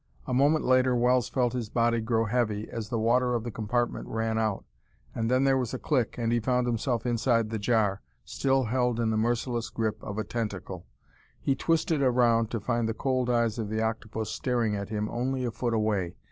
A moment later Wells felt his body grow heavy as the water of the compartment ran out, and then there was a click and he found himself inside the jar, still held in the merciless grip of a tentacle. He twisted around to find the cold eyes of the octopus staring at him only a foot away.